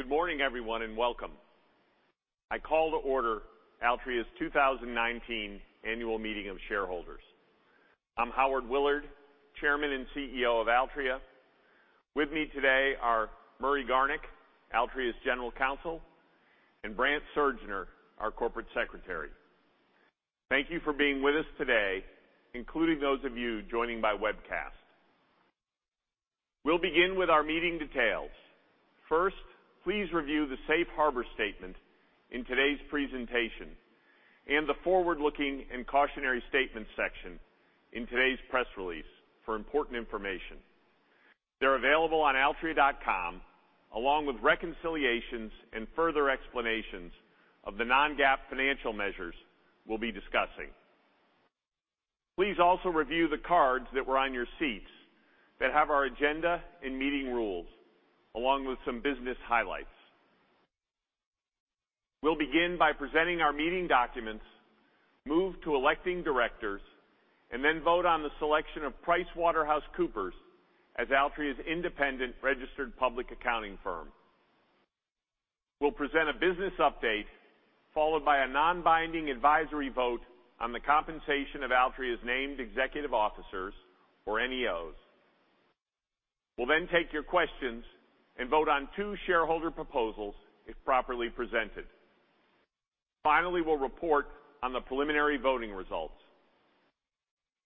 Good morning everyone, welcome. I call to order Altria's 2019 Annual Meeting of Shareholders. I'm Howard Willard, Chairman and CEO of Altria. With me today are Murray Garnick, Altria's General Counsel, and Brant Surgner, our Corporate Secretary. Thank you for being with us today, including those of you joining by webcast. We'll begin with our meeting details. First, please review the safe harbor statement in today's presentation and the forward-looking and cautionary statements section in today's press release for important information. They're available on altria.com, along with reconciliations and further explanations of the non-GAAP financial measures we'll be discussing. Please also review the cards that were on your seats that have our agenda and meeting rules, along with some business highlights. We'll begin by presenting our meeting documents, move to electing directors, and then vote on the selection of PricewaterhouseCoopers as Altria's independent registered public accounting firm. We'll present a business update, followed by a non-binding advisory vote on the compensation of Altria's named executive officers, or NEOs. We'll then take your questions and vote on two shareholder proposals if properly presented. Finally, we'll report on the preliminary voting results.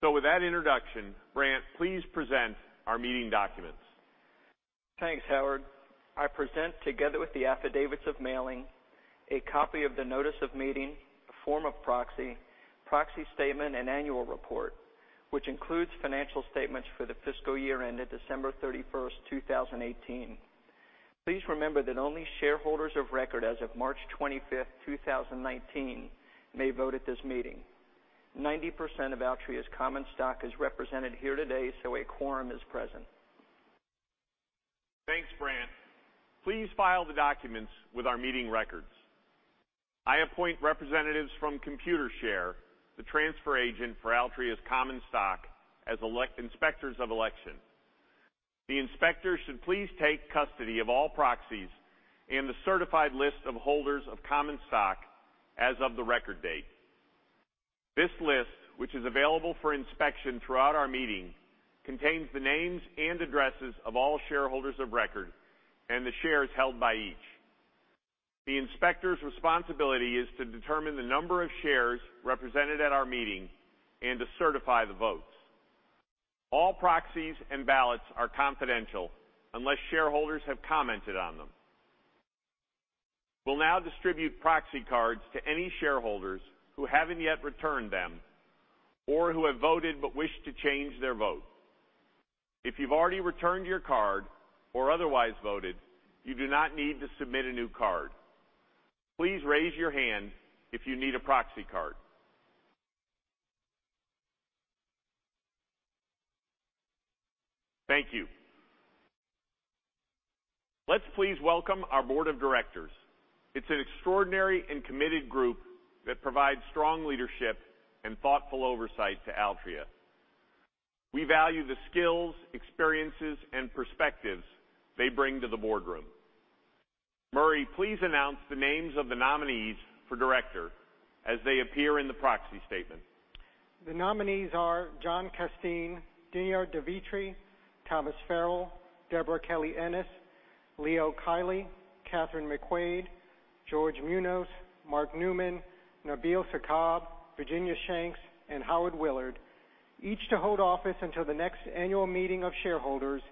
With that introduction, Brant, please present our meeting documents. Thanks, Howard. I present, together with the affidavits of mailing, a copy of the notice of meeting, a form of proxy statement, and annual report, which includes financial statements for the fiscal year ended December 31st, 2018. Please remember that only shareholders of record as of March 25th, 2019 may vote at this meeting. 90% of Altria's common stock is represented here today, a quorum is present. Thanks, Brant. Please file the documents with our meeting records. I appoint representatives from Computershare, the transfer agent for Altria's common stock, as inspectors of election. The inspectors should please take custody of all proxies and the certified list of holders of common stock as of the record date. This list, which is available for inspection throughout our meeting, contains the names and addresses of all shareholders of record and the shares held by each. The inspector's responsibility is to determine the number of shares represented at our meeting and to certify the votes. All proxies and ballots are confidential unless shareholders have commented on them. We'll now distribute proxy cards to any shareholders who haven't yet returned them or who have voted but wish to change their vote. If you've already returned your card or otherwise voted, you do not need to submit a new card. Please raise your hand if you need a proxy card. Thank you. Let's please welcome our board of directors. It's an extraordinary and committed group that provides strong leadership and thoughtful oversight to Altria. We value the skills, experiences, and perspectives they bring to the boardroom. Murray, please announce the names of the nominees for director as they appear in the proxy statement. The nominees are John Casteen, Dinyar S. Devitre, Thomas Farrell, Debra J. Kelly-Ennis, Leo Kiely, Kathryn B. McQuade, George Muñoz, Mark Newman, Nabil Y. Sakkab, Virginia Shanks, and Howard Willard, each to hold office until the next annual meeting of shareholders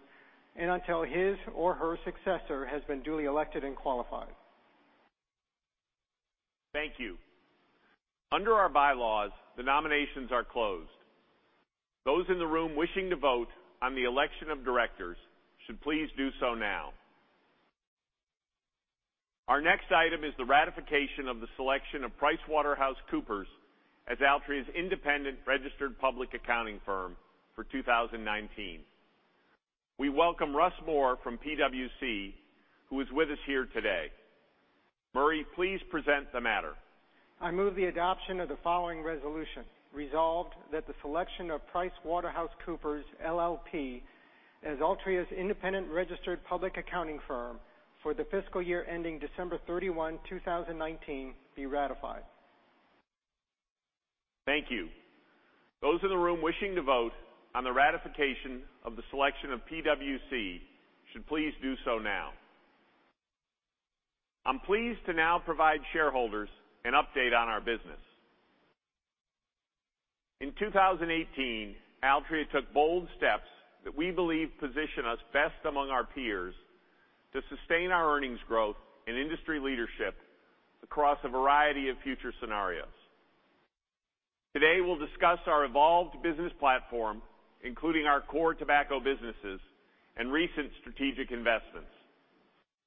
and until his or her successor has been duly elected and qualified. Thank you. Under our bylaws, the nominations are closed. Those in the room wishing to vote on the election of directors should please do so now. Our next item is the ratification of the selection of PricewaterhouseCoopers as Altria's independent registered public accounting firm for 2019. We welcome Russ Moore from PwC, who is with us here today. Murray, please present the matter. I move the adoption of the following resolution. Resolved that the selection of PricewaterhouseCoopers LLP as Altria's independent registered public accounting firm for the fiscal year ending December 31, 2019, be ratified. Thank you. Those in the room wishing to vote on the ratification of the selection of PwC should please do so now. I'm pleased to now provide shareholders an update on our business. In 2018, Altria took bold steps that we believe position us best among our peers to sustain our earnings growth and industry leadership across a variety of future scenarios. Today, we'll discuss our evolved business platform, including our core tobacco businesses and recent strategic investments.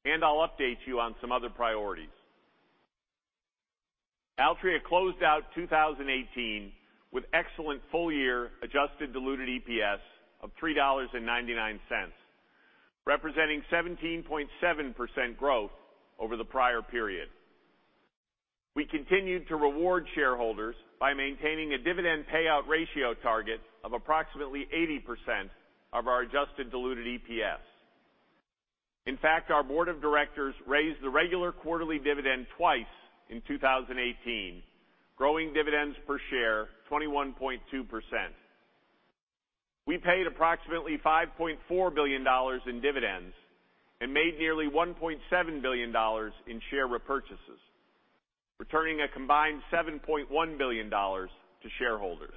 I'll update you on some other priorities. Altria closed out 2018 with excellent full-year adjusted diluted EPS of $3.99, representing 17.7% growth over the prior period. We continued to reward shareholders by maintaining a dividend payout ratio target of approximately 80% of our adjusted diluted EPS. In fact, our board of directors raised the regular quarterly dividend twice in 2018, growing dividends per share 21.2%. We paid approximately $5.4 billion in dividends and made nearly $1.7 billion in share repurchases, returning a combined $7.1 billion to shareholders.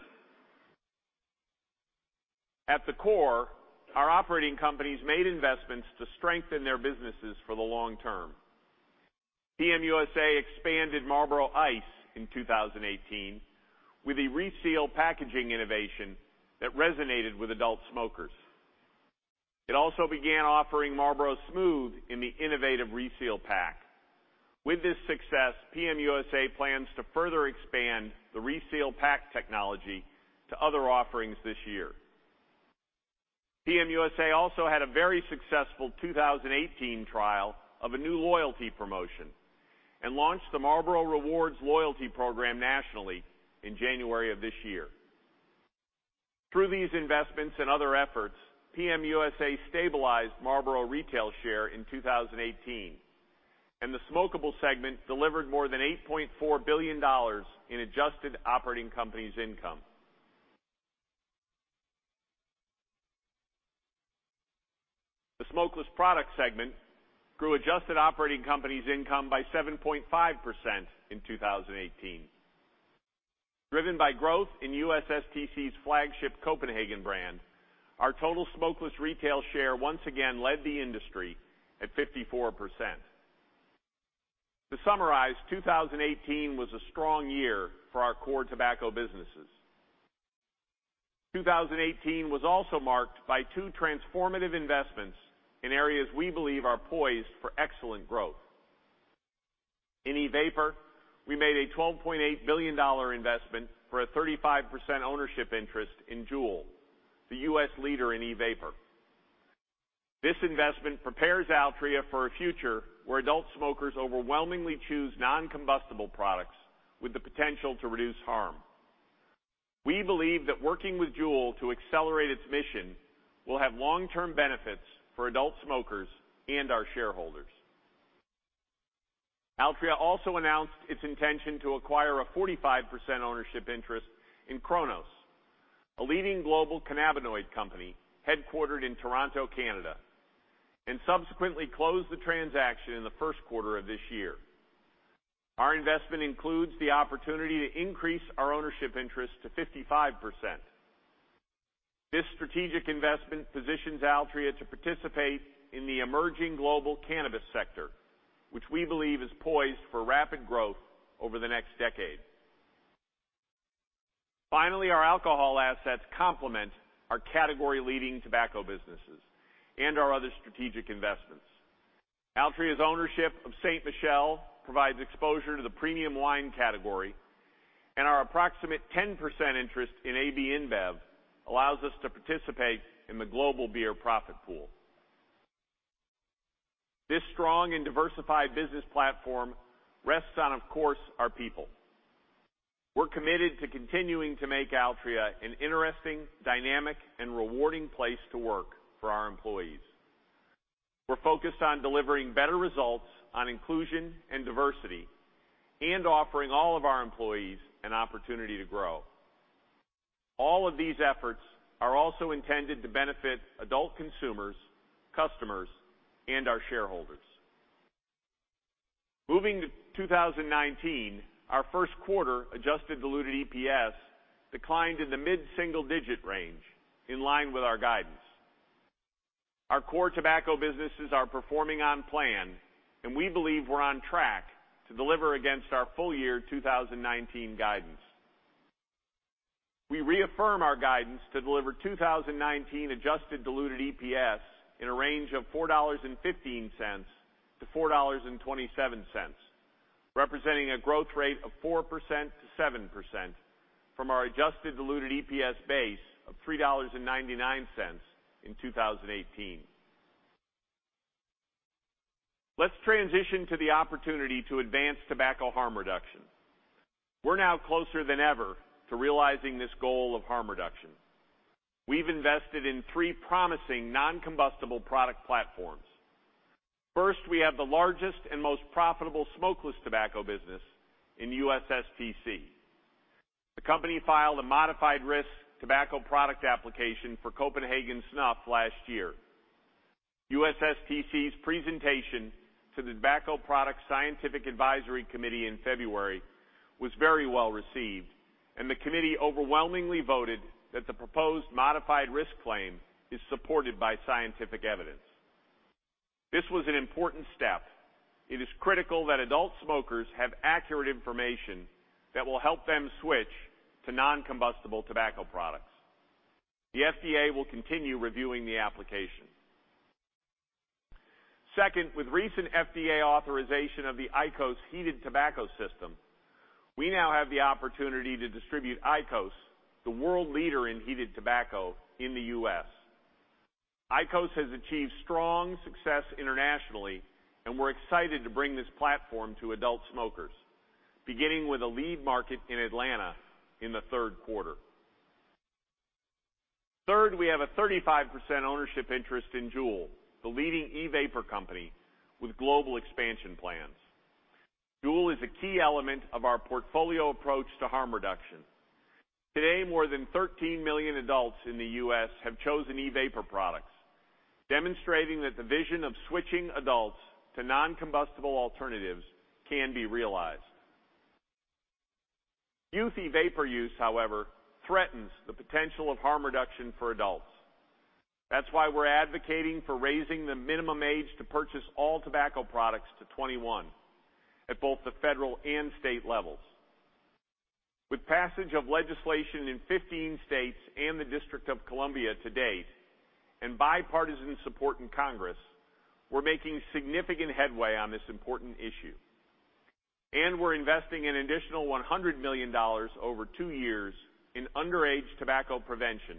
At the core, our operating companies made investments to strengthen their businesses for the long term. PM USA expanded Marlboro Ice in 2018 with a reseal packaging innovation that resonated with adult smokers. It also began offering Marlboro Smooth in the innovative reseal pack. With this success, PM USA plans to further expand the reseal pack technology to other offerings this year. PM USA also had a very successful 2018 trial of a new loyalty promotion and launched the Marlboro Rewards loyalty program nationally in January of this year. Through these investments and other efforts, PM USA stabilized Marlboro retail share in 2018, and the smokable segment delivered more than $8.4 billion in adjusted operating companies income. The smokeless product segment grew adjusted operating companies income by 7.5% in 2018. Driven by growth in USSTC's flagship Copenhagen brand, our total smokeless retail share once again led the industry at 54%. To summarize, 2018 was a strong year for our core tobacco businesses. 2018 was also marked by two transformative investments in areas we believe are poised for excellent growth. In e-vapor, we made a $12.8 billion investment for a 35% ownership interest in JUUL, the U.S. leader in e-vapor. This investment prepares Altria for a future where adult smokers overwhelmingly choose non-combustible products with the potential to reduce harm. We believe that working with JUUL to accelerate its mission will have long-term benefits for adult smokers and our shareholders. Altria also announced its intention to acquire a 45% ownership interest in Cronos, a leading global cannabinoid company headquartered in Toronto, Canada, and subsequently closed the transaction in the first quarter of this year. Our investment includes the opportunity to increase our ownership interest to 55%. This strategic investment positions Altria to participate in the emerging global cannabis sector, which we believe is poised for rapid growth over the next decade. Finally, our alcohol assets complement our category-leading tobacco businesses and our other strategic investments. Altria's ownership of Ste. Michelle provides exposure to the premium wine category. Our approximate 10% interest in AB InBev allows us to participate in the global beer profit pool. This strong and diversified business platform rests on, of course, our people. We're committed to continuing to make Altria an interesting, dynamic, and rewarding place to work for our employees. We're focused on delivering better results on inclusion and diversity and offering all of our employees an opportunity to grow. All of these efforts are also intended to benefit adult consumers, customers, and our shareholders. Moving to 2019, our first quarter adjusted diluted EPS declined in the mid-single digit range, in line with our guidance. Our core tobacco businesses are performing on plan, and we believe we're on track to deliver against our full year 2019 guidance. We reaffirm our guidance to deliver 2019 adjusted diluted EPS in a range of $4.15-$4.27, representing a growth rate of 4%-7% from our adjusted diluted EPS base of $3.99 in 2018. Let's transition to the opportunity to advance tobacco harm reduction. We're now closer than ever to realizing this goal of harm reduction. We've invested in three promising non-combustible product platforms. First, we have the largest and most profitable smokeless tobacco business in USSTC. The company filed a modified risk tobacco product application for Copenhagen Snuff last year. USSTC's presentation to the Tobacco Products Scientific Advisory Committee in February was very well received, and the committee overwhelmingly voted that the proposed modified risk claim is supported by scientific evidence. This was an important step. It is critical that adult smokers have accurate information that will help them switch to non-combustible tobacco products. The FDA will continue reviewing the application. Second, with recent FDA authorization of the IQOS heated tobacco system, we now have the opportunity to distribute IQOS, the world leader in heated tobacco, in the U.S. IQOS has achieved strong success internationally, and we're excited to bring this platform to adult smokers, beginning with a lead market in Atlanta in the third quarter. Third, we have a 35% ownership interest in JUUL, the leading e-vapor company with global expansion plans. JUUL is a key element of our portfolio approach to harm reduction. Today, more than 13 million adults in the U.S. have chosen e-vapor products, demonstrating that the vision of switching adults to non-combustible alternatives can be realized. Youth e-vapor use, however, threatens the potential of harm reduction for adults. That's why we're advocating for raising the minimum age to purchase all tobacco products to 21 at both the federal and state levels. With passage of legislation in 15 states and the District of Columbia to date, and bipartisan support in Congress, we're making significant headway on this important issue, and we're investing an additional $100 million over two years in underage tobacco prevention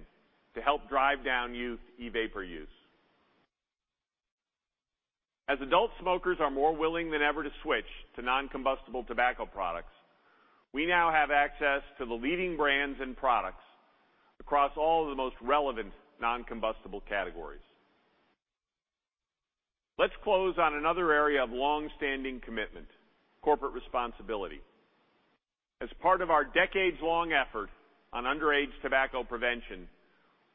to help drive down youth e-vapor use. As adult smokers are more willing than ever to switch to non-combustible tobacco products, we now have access to the leading brands and products across all of the most relevant non-combustible categories. Let's close on another area of longstanding commitment, corporate responsibility. As part of our decades-long effort on underage tobacco prevention,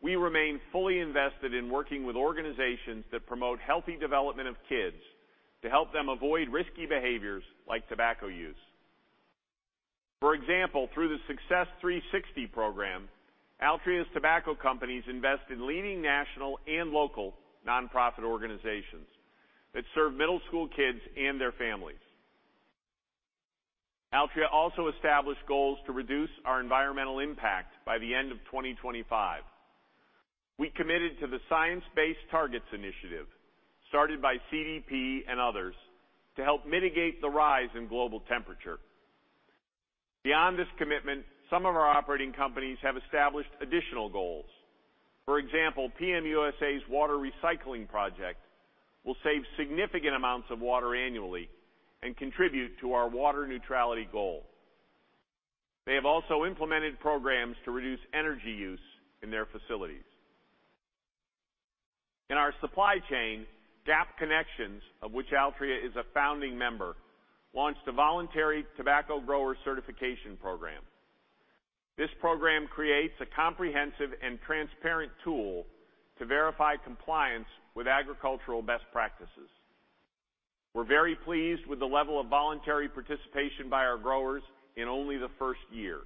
we remain fully invested in working with organizations that promote healthy development of kids to help them avoid risky behaviors like tobacco use. For example, through the Success 360° program, Altria's tobacco companies invest in leading national and local non-profit organizations that serve middle school kids and their families. Altria also established goals to reduce our environmental impact by the end of 2025. We committed to the Science Based Targets initiative, started by CDP and others, to help mitigate the rise in global temperature. Beyond this commitment, some of our operating companies have established additional goals. For example, PM USA's water recycling project will save significant amounts of water annually and contribute to our water neutrality goal. They have also implemented programs to reduce energy use in their facilities. In our supply chain, GAP Connections, of which Altria is a founding member, launched a voluntary tobacco grower certification program. This program creates a comprehensive and transparent tool to verify compliance with agricultural best practices. We're very pleased with the level of voluntary participation by our growers in only the first year.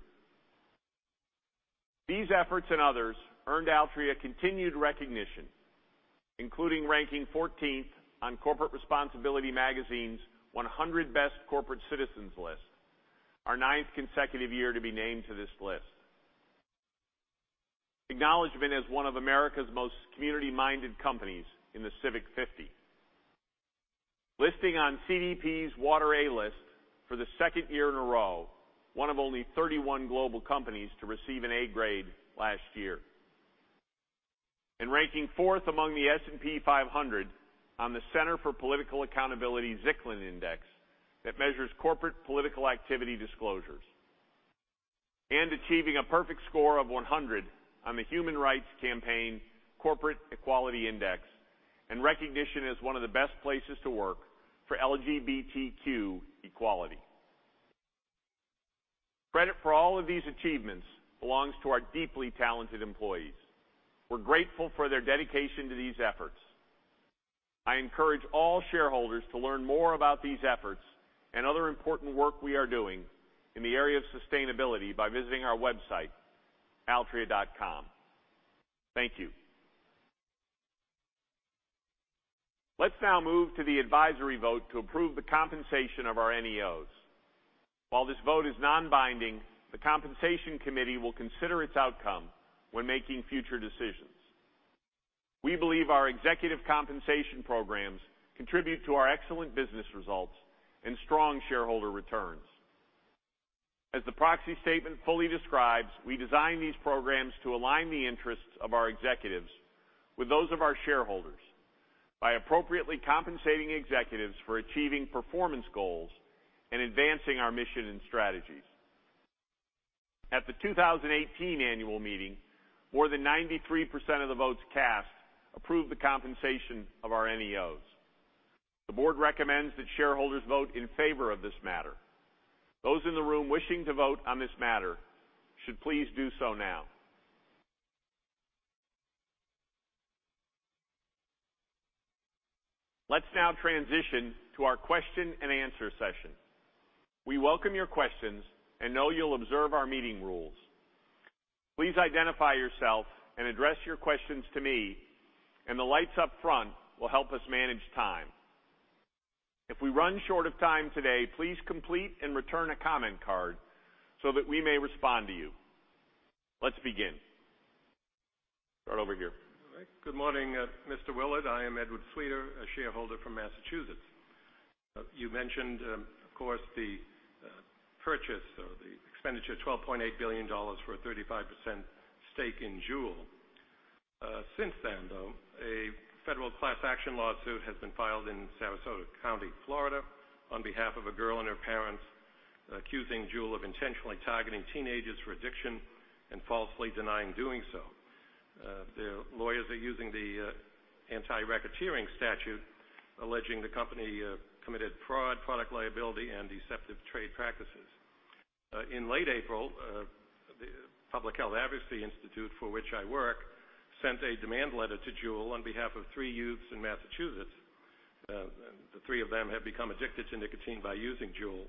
These efforts and others earned Altria continued recognition, including ranking 14th on Corporate Responsibility Magazine's 100 Best Corporate Citizens list, our ninth consecutive year to be named to this list. Acknowledgment as one of America's most community-minded companies in The Civic 50. Listing on CDP's Water A List for the second year in a row, one of only 31 global companies to receive an A grade last year. Ranking fourth among the S&P 500 on the Center for Political Accountability's Zicklin Index that measures corporate political activity disclosures. Achieving a perfect score of 100 on the Human Rights Campaign Corporate Equality Index, and recognition as one of the best places to work for LGBTQ equality. Credit for all of these achievements belongs to our deeply talented employees. We're grateful for their dedication to these efforts. I encourage all shareholders to learn more about these efforts and other important work we are doing in the area of sustainability by visiting our website, altria.com. Thank you. Let's now move to the advisory vote to approve the compensation of our NEOs. While this vote is non-binding, the compensation committee will consider its outcome when making future decisions. We believe our executive compensation programs contribute to our excellent business results and strong shareholder returns. As the proxy statement fully describes, we design these programs to align the interests of our executives with those of our shareholders by appropriately compensating executives for achieving performance goals and advancing our mission and strategies. At the 2018 annual meeting, more than 93% of the votes cast approved the compensation of our NEOs. The board recommends that shareholders vote in favor of this matter. Those in the room wishing to vote on this matter should please do so now. Let's now transition to our question and answer session. We welcome your questions and know you'll observe our meeting rules. Please identify yourself and address your questions to me, and the lights up front will help us manage time. If we run short of time today, please complete and return a comment card so that we may respond to you. Let's begin. Start over here. All right. Good morning, Mr. Willard. I am Edward Sweet, a shareholder from Massachusetts. You mentioned, of course, the purchase or the expenditure of $12.8 billion for a 35% stake in JUUL. Since then, though, a federal class action lawsuit has been filed in Sarasota County, Florida, on behalf of a girl and her parents, accusing JUUL of intentionally targeting teenagers for addiction and falsely denying doing so. Their lawyers are using the anti-racketeering statute, alleging the company committed fraud, product liability, and deceptive trade practices. In late April, the Public Health Advocacy Institute, for which I work, sent a demand letter to JUUL on behalf of three youths in Massachusetts. The three of them have become addicted to nicotine by using JUUL,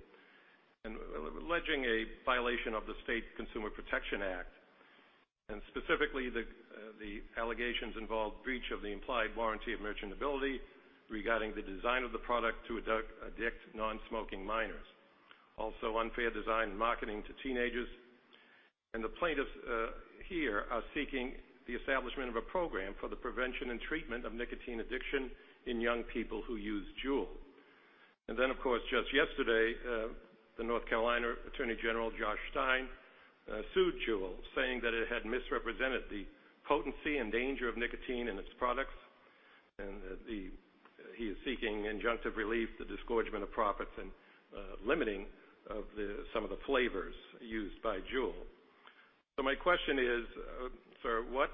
alleging a violation of the State Consumer Protection Act. Specifically, the allegations involved breach of the implied warranty of merchantability regarding the design of the product to addict non-smoking minors. Also, unfair design and marketing to teenagers. The plaintiffs here are seeking the establishment of a program for the prevention and treatment of nicotine addiction in young people who use JUUL. Then, of course, just yesterday, the North Carolina Attorney General, Josh Stein, sued JUUL, saying that it had misrepresented the potency and danger of nicotine in its products. He is seeking injunctive relief, the disgorgement of profits, and limiting some of the flavors used by JUUL. My question is, sir, what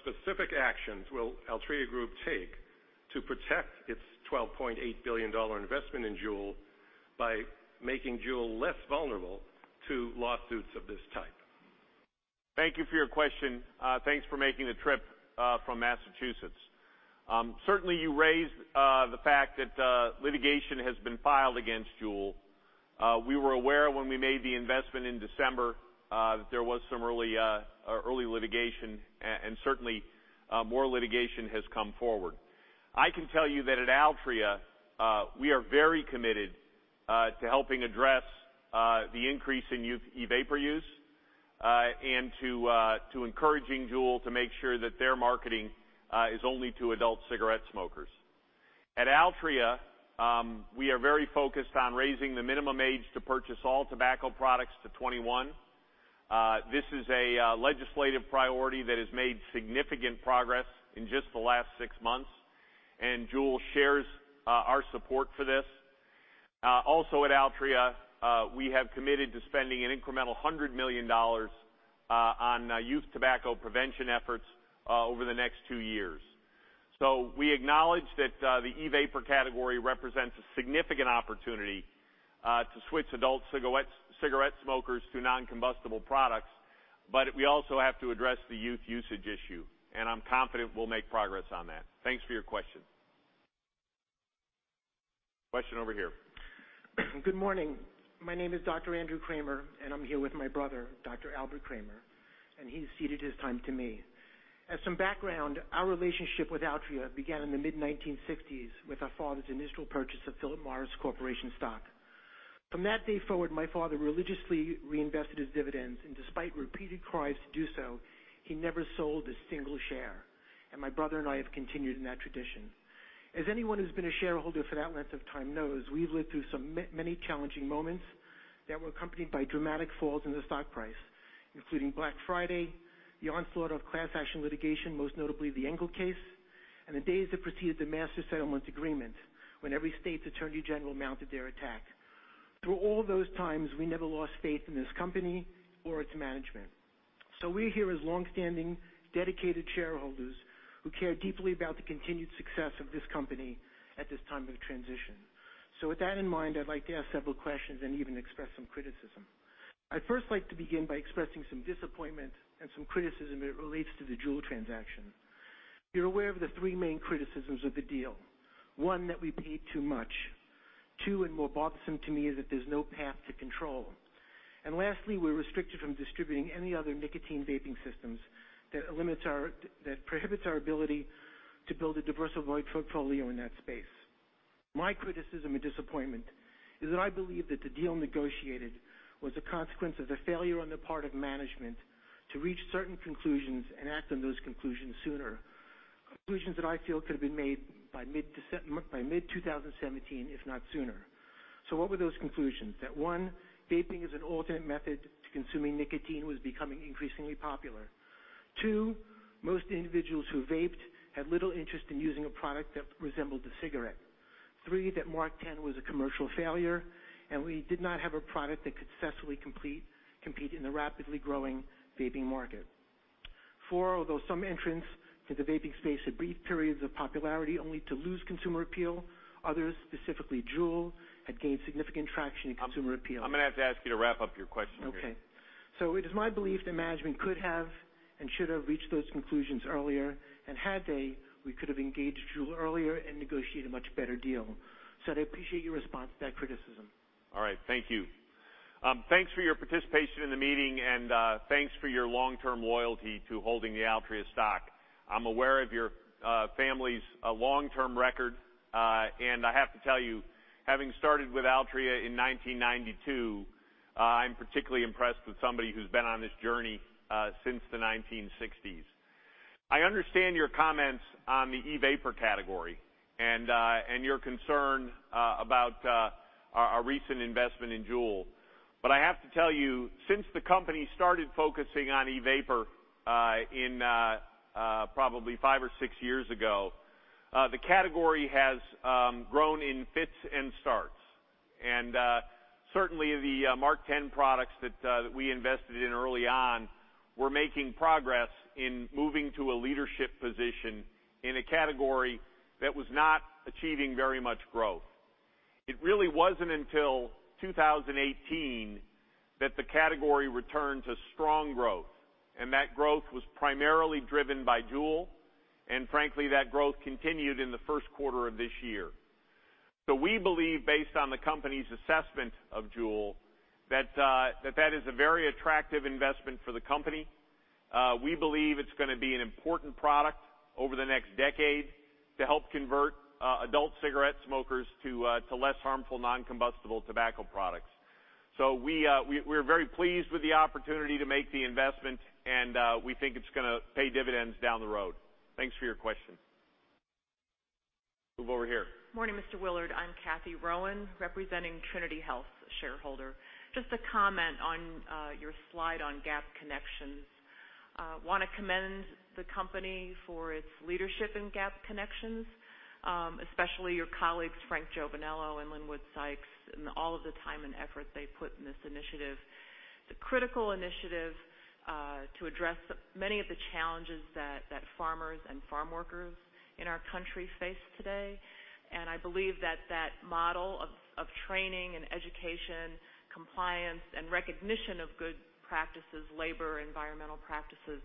specific actions will Altria Group take to protect its $12.8 billion investment in JUUL by making JUUL less vulnerable to lawsuits of this type? Thank you for your question. Thanks for making the trip from Massachusetts. Certainly, you raised the fact that litigation has been filed against JUUL. We were aware when we made the investment in December that there was some early litigation, and certainly, more litigation has come forward. I can tell you that at Altria, we are very committed to helping address the increase in youth e-vapor use and to encouraging JUUL to make sure that their marketing is only to adult cigarette smokers. At Altria, we are very focused on raising the minimum age to purchase all tobacco products to 21. This is a legislative priority that has made significant progress in just the last six months, and JUUL shares our support for this. Also at Altria, we have committed to spending an incremental $100 million on youth tobacco prevention efforts over the next two years. We acknowledge that the e-vapor category represents a significant opportunity to switch adult cigarette smokers to non-combustible products, we also have to address the youth usage issue, I'm confident we'll make progress on that. Thanks for your question. Question over here. Good morning. My name is Dr. Andrew Kramer. I'm here with my brother, Dr. Albert Kramer, and he's ceded his time to me. As some background, our relationship with Altria began in the mid-1960s with our father's initial purchase of Philip Morris Corporation stock. From that day forward, my father religiously reinvested his dividends. Despite repeated cries to do so, he never sold a single share, and my brother and I have continued in that tradition. As anyone who's been a shareholder for that length of time knows, we've lived through some many challenging moments that were accompanied by dramatic falls in the stock price, including Black Friday, the onslaught of class action litigation, most notably the Engle case, and the days that preceded the Master Settlement Agreement, when every state's attorney general mounted their attack. Through all those times, we never lost faith in this company or its management. We're here as longstanding, dedicated shareholders who care deeply about the continued success of this company at this time of transition. With that in mind, I'd like to ask several questions and even express some criticism. I'd first like to begin by expressing some disappointment and some criticism as it relates to the JUUL transaction. You're aware of the three main criticisms of the deal. One, that we paid too much. Two, and more bothersome to me, is that there's no path to control. Lastly, we're restricted from distributing any other nicotine vaping systems. That prohibits our ability to build a diversified portfolio in that space. My criticism and disappointment is that I believe that the deal negotiated was a consequence of the failure on the part of management to reach certain conclusions and act on those conclusions sooner, conclusions that I feel could have been made by mid-2017, if not sooner. What were those conclusions? That one, vaping as an alternate method to consuming nicotine was becoming increasingly popular. Two, most individuals who vaped had little interest in using a product that resembled a cigarette. Three, that MarkTen was a commercial failure, and we did not have a product that could successfully compete in the rapidly growing vaping market. Four, although some entrants in the vaping space had brief periods of popularity only to lose consumer appeal, others, specifically JUUL, had gained significant traction and consumer appeal. I'm going to have to ask you to wrap up your question here. It is my belief that management could have, and should have, reached those conclusions earlier. Had they, we could have engaged JUUL earlier and negotiated a much better deal. I'd appreciate your response to that criticism. All right. Thank you. Thanks for your participation in the meeting, and thanks for your long-term loyalty to holding the Altria stock. I'm aware of your family's long-term record. I have to tell you, having started with Altria in 1992, I'm particularly impressed with somebody who's been on this journey since the 1960s. I understand your comments on the e-vapor category and your concern about our recent investment in JUUL. I have to tell you, since the company started focusing on e-vapor in probably five or six years ago, the category has grown in fits and starts. Certainly, the MarkTen products that we invested in early on were making progress in moving to a leadership position in a category that was not achieving very much growth. It really wasn't until 2018 that the category returned to strong growth, and that growth was primarily driven by JUUL, and frankly, that growth continued in the first quarter of this year. We believe based on the company's assessment of JUUL, that that is a very attractive investment for the company. We believe it's going to be an important product over the next decade to help convert adult cigarette smokers to less harmful non-combustible tobacco products. We're very pleased with the opportunity to make the investment, and we think it's going to pay dividends down the road. Thanks for your question. Move over here. Morning, Mr. Willard. I'm Cathy Rowan, representing Trinity Health, a shareholder. Just a comment on your slide on GAP Connections. Want to commend the company for its leadership in GAP Connections, especially your colleagues, Frank Giovanello and Linwood Sykes, and all of the time and effort they put in this initiative. It's a critical initiative to address many of the challenges that farmers and farm workers in our country face today. I believe that that model of training and education, compliance, and recognition of good practices, labor and environmental practices,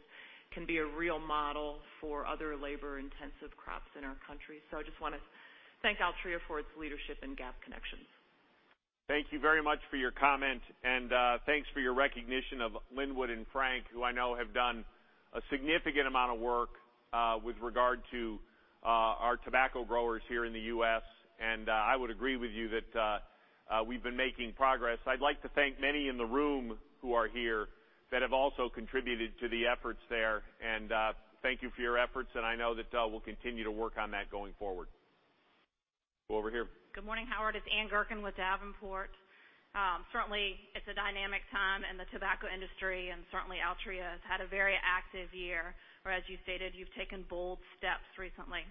can be a real model for other labor-intensive crops in our country. I just want to thank Altria for its leadership in GAP Connections. Thank you very much for your comment, and thanks for your recognition of Linwood and Frank, who I know have done a significant amount of work with regard to our tobacco growers here in the U.S. I would agree with you that we've been making progress. I'd like to thank many in the room who are here that have also contributed to the efforts there. Thank you for your efforts, and I know that we'll continue to work on that going forward. Over here. Good morning, Howard. It's Anne Gerken with Davenport. Certainly, it's a dynamic time in the tobacco industry, and certainly Altria has had a very active year. As you stated, you've taken bold steps recently.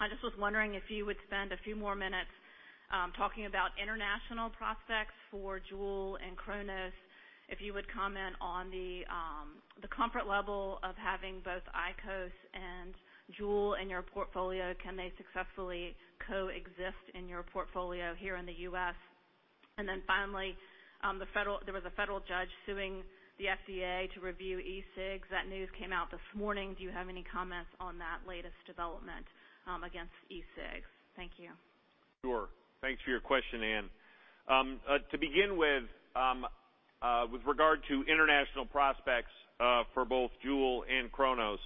I just was wondering if you would spend a few more minutes talking about international prospects for JUUL and Cronos. If you would comment on the comfort level of having both IQOS and JUUL in your portfolio. Can they successfully coexist in your portfolio here in the U.S.? Finally, there was a federal judge suing the FDA to review e-cigs. That news came out this morning. Do you have any comments on that latest development against e-cigs? Thank you. Sure. Thanks for your question, Anne. To begin with regard to international prospects for both JUUL and Cronos,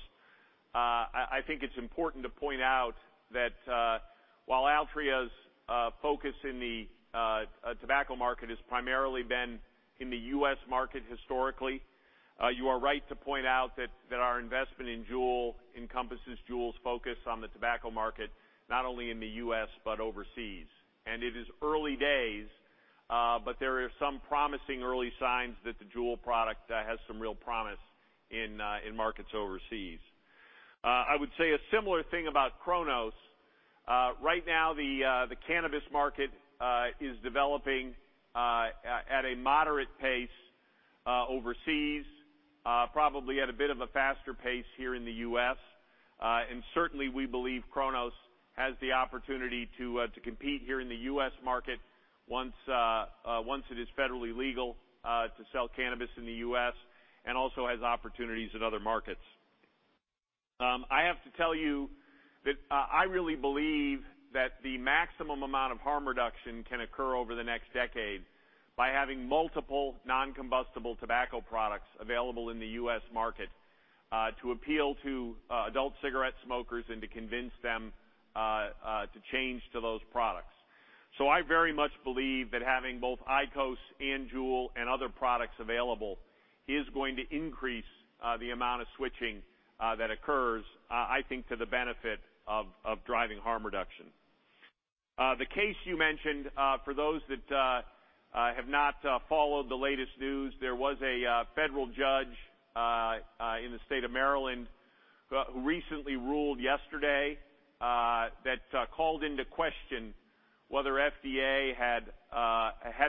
I think it's important to point out that while Altria's focus in the tobacco market has primarily been in the U.S. market historically, you are right to point out that our investment in JUUL encompasses JUUL's focus on the tobacco market, not only in the U.S. but overseas. It is early days, but there are some promising early signs that the JUUL product has some real promise in markets overseas. I would say a similar thing about Cronos. Right now, the cannabis market is developing at a moderate pace overseas probably at a bit of a faster pace here in the U.S. Certainly, we believe Cronos has the opportunity to compete here in the U.S. market once it is federally legal to sell cannabis in the U.S. and also has opportunities in other markets. I have to tell you that I really believe that the maximum amount of harm reduction can occur over the next decade by having multiple non-combustible tobacco products available in the U.S. market to appeal to adult cigarette smokers and to convince them to change to those products. I very much believe that having both IQOS and JUUL and other products available is going to increase the amount of switching that occurs, I think, to the benefit of driving harm reduction. The case you mentioned, for those that have not followed the latest news, there was a federal judge in the state of Maryland who recently ruled yesterday that called into question whether FDA had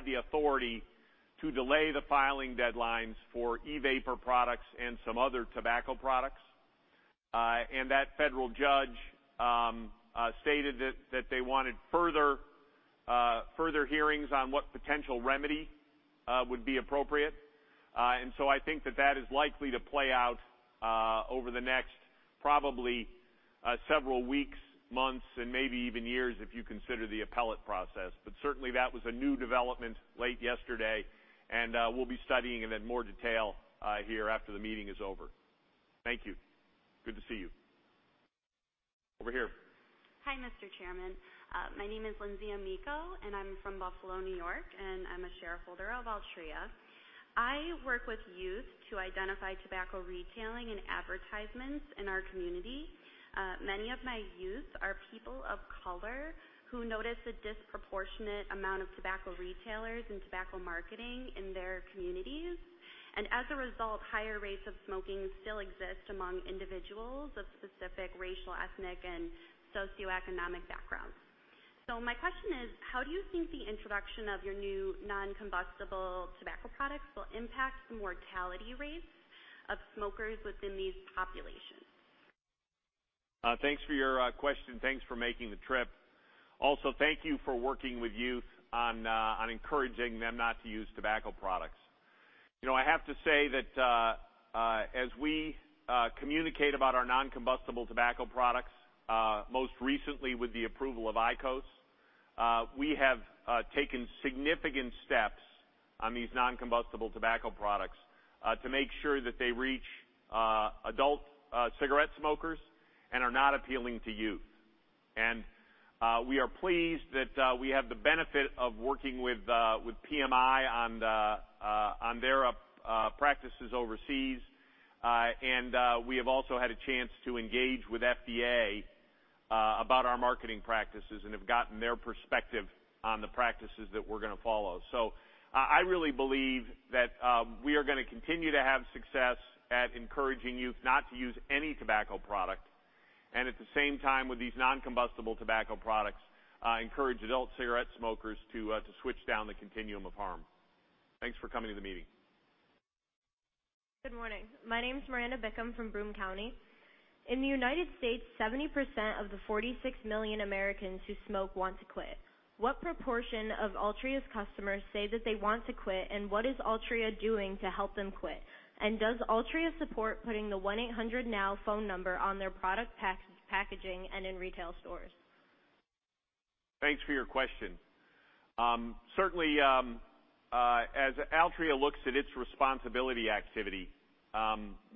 the authority to delay the filing deadlines for e-vapor products and some other tobacco products. That federal judge stated that they wanted further hearings on what potential remedy would be appropriate. I think that that is likely to play out over the next probably several weeks, months, and maybe even years if you consider the appellate process. Certainly, that was a new development late yesterday, and we'll be studying it in more detail here after the meeting is over. Thank you. Good to see you. Over here. Hi, Mr. Chairman. My name is Lindsay Amico, and I'm from Buffalo, N.Y., and I'm a shareholder of Altria. I work with youth to identify tobacco retailing and advertisements in our community. Many of my youth are people of color who notice a disproportionate amount of tobacco retailers and tobacco marketing in their communities. As a result, higher rates of smoking still exist among individuals of specific racial, ethnic, and socioeconomic backgrounds. My question is, how do you think the introduction of your new non-combustible tobacco products will impact the mortality rates of smokers within these populations? Thanks for your question. Thanks for making the trip. Also, thank you for working with youth on encouraging them not to use tobacco products. I have to say that as we communicate about our non-combustible tobacco products, most recently with the approval of IQOS, we have taken significant steps on these non-combustible tobacco products to make sure that they reach adult cigarette smokers and are not appealing to youth. We are pleased that we have the benefit of working with PMI on their practices overseas. We have also had a chance to engage with FDA about our marketing practices and have gotten their perspective on the practices that we're going to follow. I really believe that we are going to continue to have success at encouraging youth not to use any tobacco product, and at the same time, with these non-combustible tobacco products, encourage adult cigarette smokers to switch down the continuum of harm. Thanks for coming to the meeting. Good morning. My name's Miranda Bickham from Broome County. In the U.S., 70% of the 46 million Americans who smoke want to quit. What proportion of Altria's customers say that they want to quit, and what is Altria doing to help them quit? Does Altria support putting the 1-800-QUIT-NOW phone number on their product packaging and in retail stores? Thanks for your question. Certainly, as Altria looks at its responsibility activity,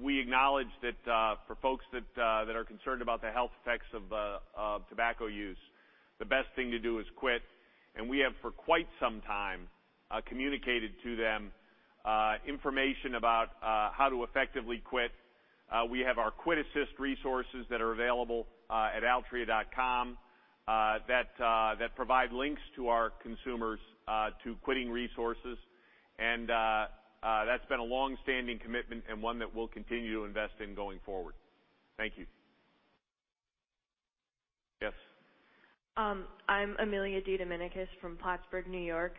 we acknowledge that for folks that are concerned about the health effects of tobacco use, the best thing to do is quit. We have for quite some time communicated to them information about how to effectively quit. We have our QuitAssist resources that are available at altria.com that provide links to our consumers to quitting resources. That's been a longstanding commitment and one that we'll continue to invest in going forward. Thank you. Yes. I'm Amelia DeDominicis from Plattsburgh, N.Y.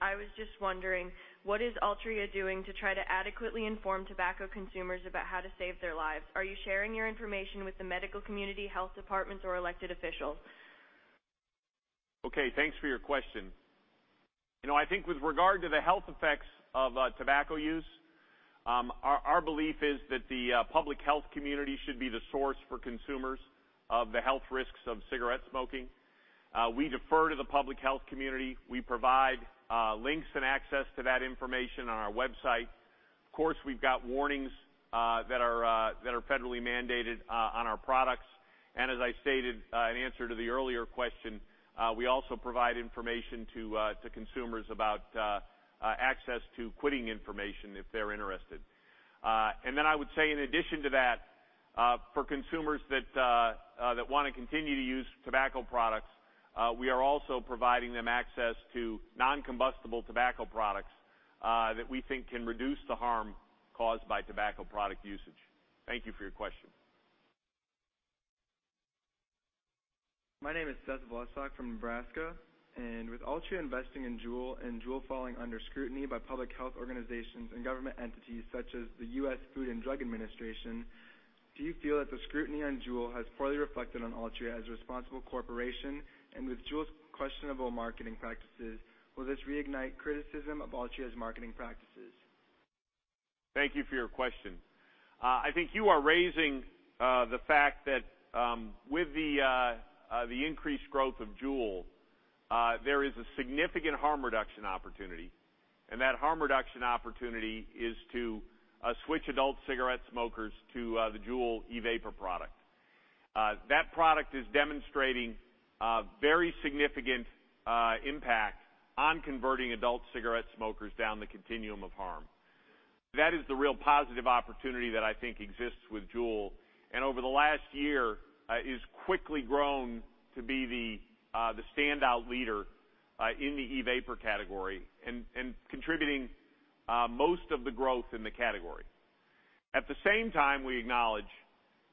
I was just wondering, what is Altria doing to try to adequately inform tobacco consumers about how to save their lives? Are you sharing your information with the medical community, health departments, or elected officials? Okay, thanks for your question. I think with regard to the health effects of tobacco use, our belief is that the public health community should be the source for consumers of the health risks of cigarette smoking. We defer to the public health community. We provide links and access to that information on our website. Of course, we've got warnings that are federally mandated on our products. As I stated in answer to the earlier question, we also provide information to consumers about access to quitting information if they're interested. Then I would say in addition to that, for consumers that want to continue to use tobacco products, we are also providing them access to non-combustible tobacco products that we think can reduce the harm caused by tobacco product usage. Thank you for your question. My name is Seth Vlasak from Nebraska. With Altria investing in JUUL and JUUL falling under scrutiny by public health organizations and government entities such as the U.S. Food and Drug Administration, do you feel that the scrutiny on JUUL has poorly reflected on Altria as a responsible corporation? With JUUL's questionable marketing practices, will this reignite criticism of Altria's marketing practices? Thank you for your question. I think you are raising the fact that with the increased growth of JUUL, there is a significant harm reduction opportunity. That harm reduction opportunity is to switch adult cigarette smokers to the JUUL e-vapor product. That product is demonstrating a very significant impact on converting adult cigarette smokers down the continuum of harm. That is the real positive opportunity that I think exists with JUUL. Over the last year, it's quickly grown to be the standout leader in the e-vapor category and contributing most of the growth in the category. At the same time, we acknowledge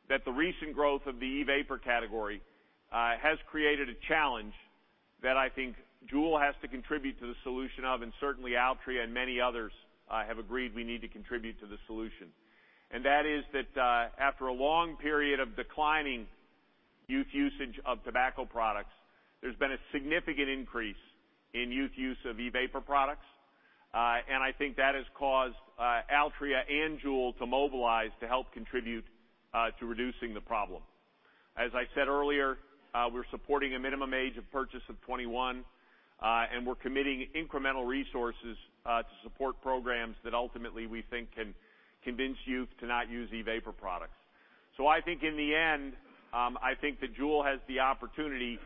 that the recent growth of the e-vapor category has created a challenge that I think JUUL has to contribute to the solution of. Certainly Altria and many others have agreed we need to contribute to the solution. That is that after a long period of declining youth usage of tobacco products, there's been a significant increase in youth use of e-vapor products. I think that has caused Altria and JUUL to mobilize to help contribute to reducing the problem. As I said earlier, we're supporting a minimum age of purchase of 21. We're committing incremental resources to support programs that ultimately we think can convince youth to not use e-vapor products. I think in the end, I think that JUUL has the opportunity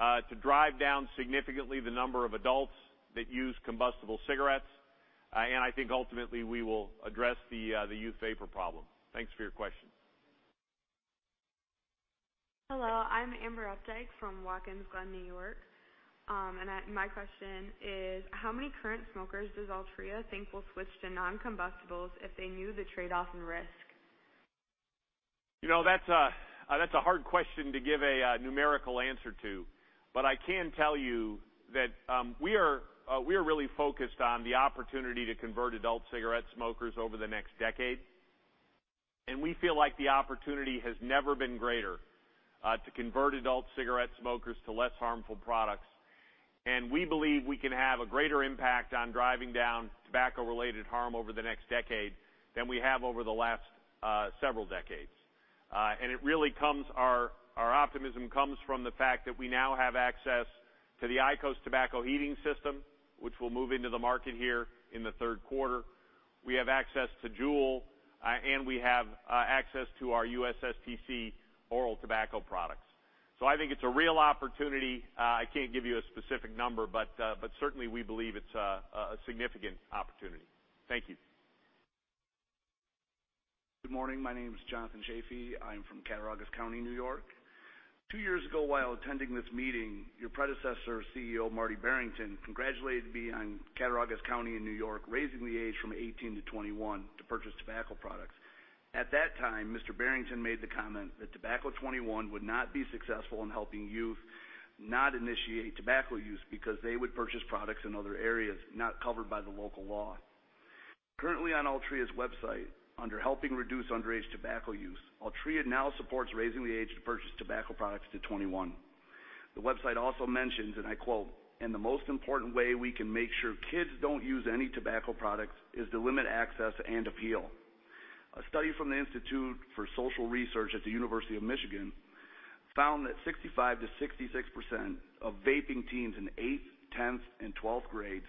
to drive down significantly the number of adults that use combustible cigarettes. I think ultimately we will address the youth vapor problem. Thanks for your question. Hello, I'm Amber Updike from Watkins Glen, New York. My question is, how many current smokers does Altria think will switch to non-combustibles if they knew the trade-off in risk? That's a hard question to give a numerical answer to. I can tell you that we are really focused on the opportunity to convert adult cigarette smokers over the next decade. We feel like the opportunity has never been greater to convert adult cigarette smokers to less harmful products. We believe we can have a greater impact on driving down tobacco-related harm over the next decade than we have over the last several decades. Our optimism comes from the fact that we now have access to the IQOS tobacco heating system, which will move into the market here in the third quarter. We have access to JUUL, and we have access to our USSTC oral tobacco products. I think it's a real opportunity. I can't give you a specific number, but certainly, we believe it's a significant opportunity. Thank you. Good morning. My name is Jonathan Chaffee. I'm from Cattaraugus County, New York. Two years ago, while attending this meeting, your predecessor, CEO Martin J. Barrington, congratulated me on Cattaraugus County in New York, raising the age from 18 to 21 to purchase tobacco products. At that time, Mr. Barrington made the comment that Tobacco 21 would not be successful in helping youth not initiate tobacco use because they would purchase products in other areas not covered by the local law. Currently on Altria's website, under Helping Reduce Underage Tobacco Use, Altria now supports raising the age to purchase tobacco products to 21. The website also mentions, and I quote, "And the most important way we can make sure kids don't use any tobacco products is to limit access and appeal." A study from the Institute for Social Research at the University of Michigan found that 65%-66% of vaping teens in eighth, 10th, and 12th grades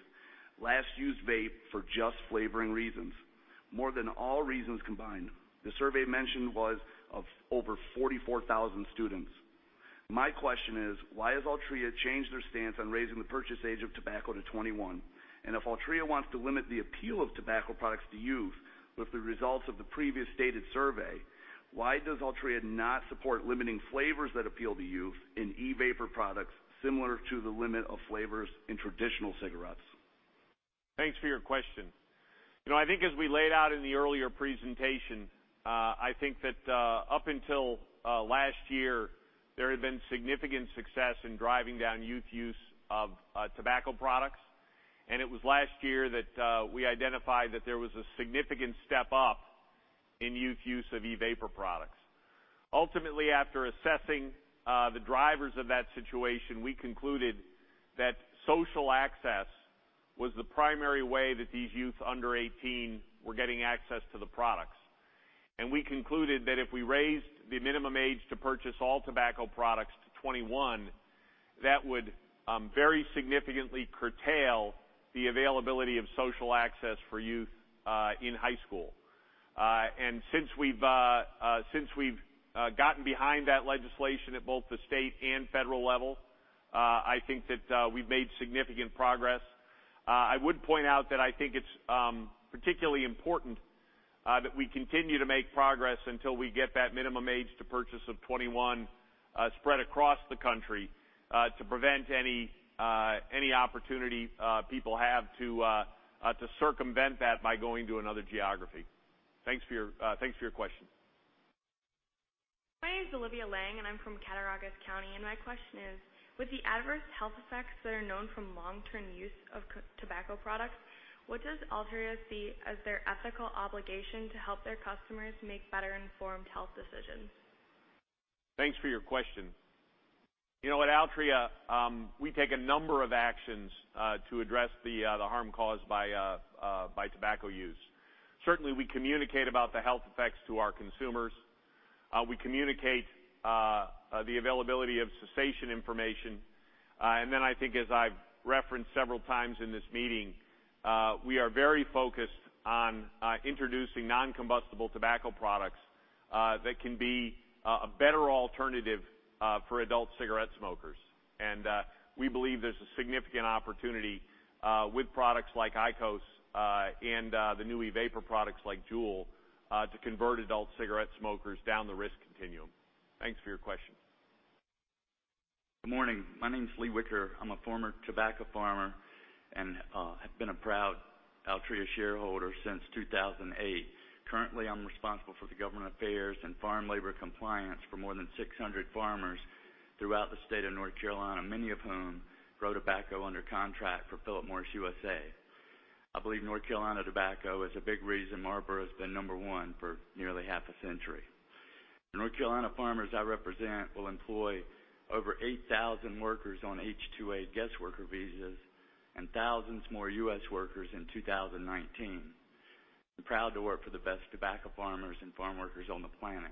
last used vape for just flavoring reasons, more than all reasons combined. The survey mentioned was of over 44,000 students. My question is, why has Altria changed their stance on raising the purchase age of tobacco to 21? If Altria wants to limit the appeal of tobacco products to youth with the results of the previous stated survey, why does Altria not support limiting flavors that appeal to youth in e-vapor products, similar to the limit of flavors in traditional cigarettes? Thanks for your question. I think as we laid out in the earlier presentation, I think that up until last year, there had been significant success in driving down youth use of tobacco products. It was last year that we identified that there was a significant step up in youth use of e-vapor products. Ultimately, after assessing the drivers of that situation, we concluded that social access was the primary way that these youth under 18 were getting access to the products. We concluded that if we raised the minimum age to purchase all tobacco products to 21, that would very significantly curtail the availability of social access for youth in high school. Since we've gotten behind that legislation at both the state and federal level, I think that we've made significant progress. I would point out that I think it's particularly important that we continue to make progress until we get that minimum age to purchase of 21 spread across the country to prevent any opportunity people have to circumvent that by going to another geography. Thanks for your question. My name's Olivia Lang. I'm from Cattaraugus County, and my question is, with the adverse health effects that are known from long-term use of tobacco products, what does Altria see as their ethical obligation to help their customers make better-informed health decisions? Thanks for your question. At Altria, we take a number of actions to address the harm caused by tobacco use. Certainly, we communicate about the health effects to our consumers. We communicate the availability of cessation information. Then I think as I've referenced several times in this meeting, we are very focused on introducing non-combustible tobacco products that can be a better alternative for adult cigarette smokers. We believe there's a significant opportunity with products like IQOS and the new e-vapor products like JUUL to convert adult cigarette smokers down the risk continuum. Thanks for your question. Good morning. My name's Lee Wicker. I'm a former tobacco farmer and have been a proud Altria shareholder since 2008. Currently, I'm responsible for the government affairs and farm labor compliance for more than 600 farmers throughout the state of North Carolina, many of whom grow tobacco under contract for Philip Morris USA. I believe North Carolina tobacco is a big reason Marlboro has been number 1 for nearly half a century. The North Carolina farmers I represent will employ over 8,000 workers on H-2A guest worker visas and thousands more U.S. workers in 2019. I'm proud to work for the best tobacco farmers and farm workers on the planet.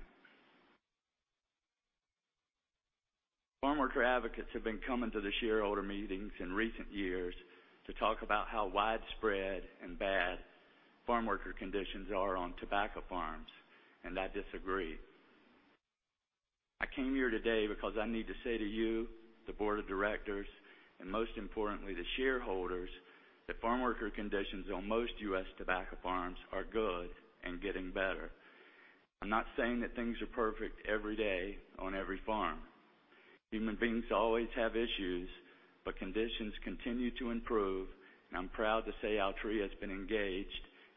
Farm worker advocates have been coming to the shareholder meetings in recent years to talk about how widespread and bad farm worker conditions are on tobacco farms. I disagree. I came here today because I need to say to you, the board of directors, and most importantly, the shareholders, that farm worker conditions on most U.S. tobacco farms are good and getting better. I'm not saying that things are perfect every day on every farm. Human beings always have issues, but conditions continue to improve, and I'm proud to say Altria has been engaged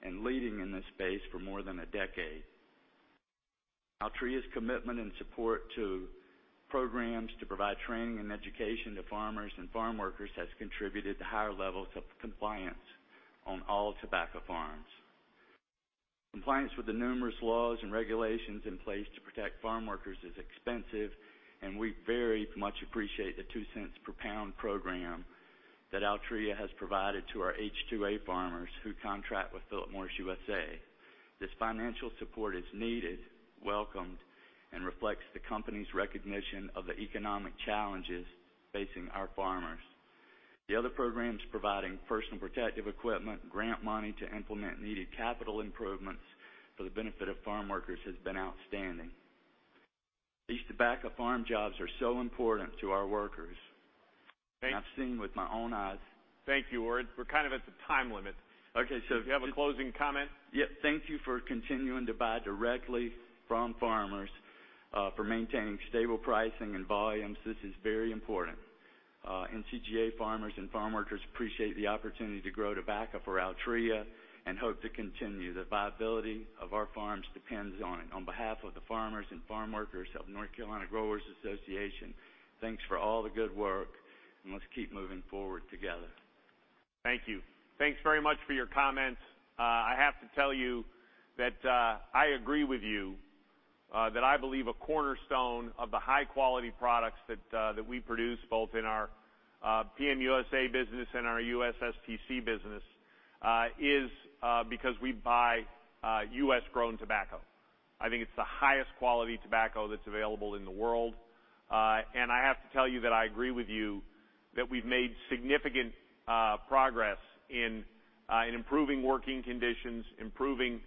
and leading in this space for more than a decade. Altria's commitment and support to programs to provide training and education to farmers and farm workers has contributed to higher levels of compliance on all tobacco farms. Compliance with the numerous laws and regulations in place to protect farm workers is expensive, and we very much appreciate the $0.02 per pound program that Altria has provided to our H-2A farmers who contract with Philip Morris USA. This financial support is needed, welcomed, and reflects the company's recognition of the economic challenges facing our farmers. The other programs providing personal protective equipment, grant money to implement needed capital improvements for the benefit of farm workers has been outstanding. These tobacco farm jobs are so important to our workers. I've seen with my own eyes. Thank you, Ward. We're kind of at the time limit. Okay. Do you have a closing comment? Yep. Thank you for continuing to buy directly from farmers, for maintaining stable pricing and volumes. This is very important. NCGA farmers and farm workers appreciate the opportunity to grow tobacco for Altria and hope to continue. The viability of our farms depends on it. On behalf of the farmers and farm workers of North Carolina Growers Association, thanks for all the good work. Let's keep moving forward together. Thank you. Thanks very much for your comments. I have to tell you that I agree with you. That I believe a cornerstone of the high-quality products that we produce, both in our PM USA business and our US STC business, is because we buy U.S.-grown tobacco. I think it's the highest quality tobacco that's available in the world. I have to tell you that I agree with you that we've made significant progress in improving working conditions, improving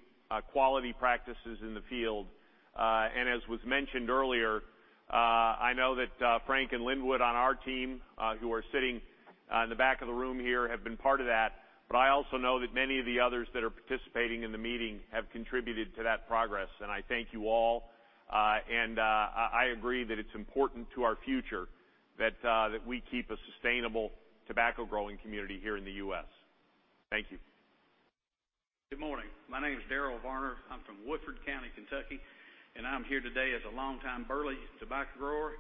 quality practices in the field. As was mentioned earlier, I know that Frank and Linwood on our team, who are sitting in the back of the room here, have been part of that. I also know that many of the others that are participating in the meeting have contributed to that progress, and I thank you all. I agree that it's important to our future that we keep a sustainable tobacco-growing community here in the U.S. Thank you. Good morning. My name is Darrell Varner. I am from Woodford County, Kentucky, and I am here today as a longtime burley tobacco grower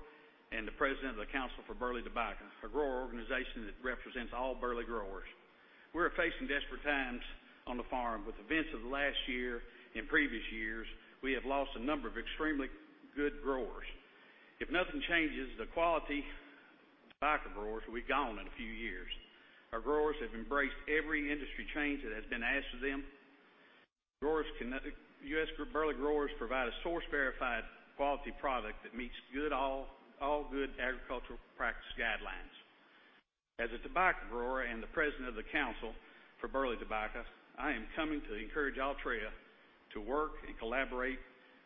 and the President of the Council for Burley Tobacco, a grower organization that represents all burley growers. We are facing desperate times on the farm. With events of the last year and previous years, we have lost a number of extremely good growers. If nothing changes, the quality tobacco growers will be gone in a few years. Our growers have embraced every industry change that has been asked of them. U.S. burley growers provide a source-verified quality product that meets all good agricultural practice guidelines. As a tobacco grower and the President of the Council for Burley Tobacco, I am coming to encourage Altria to work and collaborate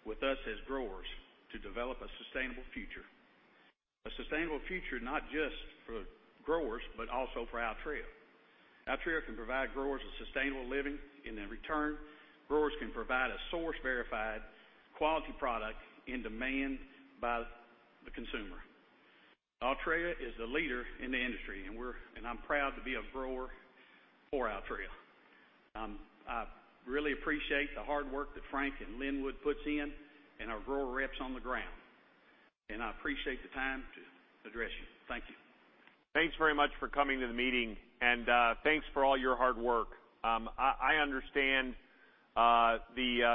with us as growers to develop a sustainable future. A sustainable future not just for growers, but also for Altria. Altria can provide growers a sustainable living. In return, growers can provide a source-verified quality product in demand by the consumer. Altria is the leader in the industry, I am proud to be a grower for Altria. I really appreciate the hard work that Frank and Linwood puts in, and our grower reps on the ground. I appreciate the time to address you. Thank you. Thanks very much for coming to the meeting, thanks for all your hard work. I understand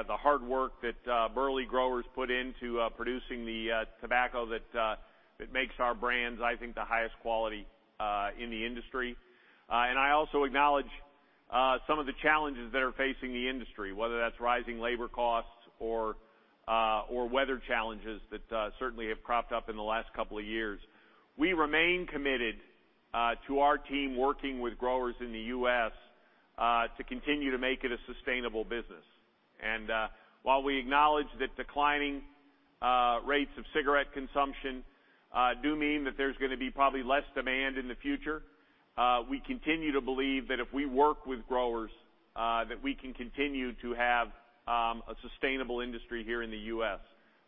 the hard work that burley growers put into producing the tobacco that makes our brands, I think, the highest quality in the industry. I also acknowledge some of the challenges that are facing the industry, whether that is rising labor costs or weather challenges that certainly have cropped up in the last couple of years. We remain committed to our team working with growers in the U.S. to continue to make it a sustainable business. While we acknowledge that declining rates of cigarette consumption do mean that there is going to be probably less demand in the future, we continue to believe that if we work with growers, that we can continue to have a sustainable industry here in the U.S.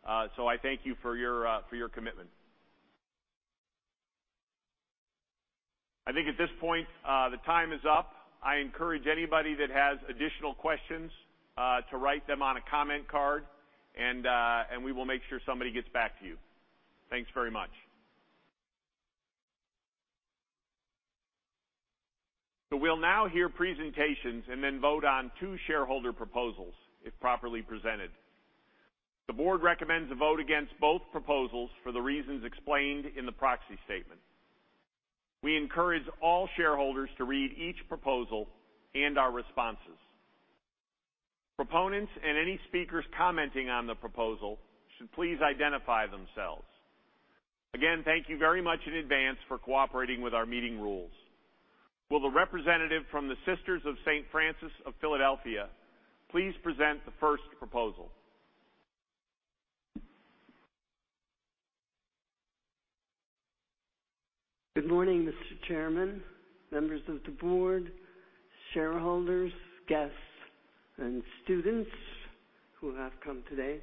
I thank you for your commitment. I think at this point, the time is up. I encourage anybody that has additional questions to write them on a comment card, we will make sure somebody gets back to you. Thanks very much. We will now hear presentations and then vote on two shareholder proposals, if properly presented. The board recommends a vote against both proposals for the reasons explained in the proxy statement. We encourage all shareholders to read each proposal and our responses. Proponents and any speakers commenting on the proposal should please identify themselves. Again, thank you very much in advance for cooperating with our meeting rules. Will the representative from the Sisters of St. Francis of Philadelphia please present the first proposal? Good morning, Mr. Chairman, members of the board, shareholders, guests, and students who have come today.